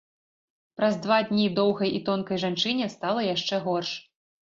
Праз два дні доўгай і тонкай жанчыне стала яшчэ горш.